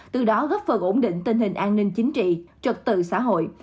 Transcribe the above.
từ đó góp phần ổn định tình hình an ninh chính trị trật tự xã hội